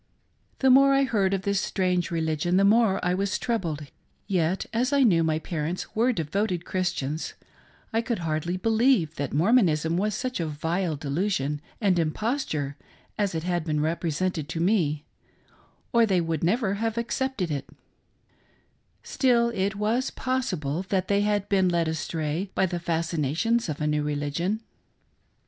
The more I heard of this strange religion the more I was troubled ; yet, as I knew my parents were devoted Christians, I could hardly believe that Mormonism was such a vile delu sion and imposture as it had been represented to me, or they would never have accepted it : still it was possible that they had been led astray by the fascinations of a new religion.